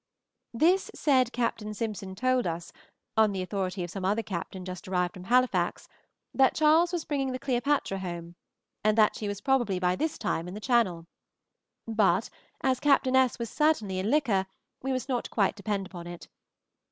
This said Captain Simpson told us, on the authority of some other Captain just arrived from Halifax, that Charles was bringing the "Cleopatra" home, and that she was probably by this time in the Channel; but as Captain S. was certainly in liquor, we must not quite depend on it.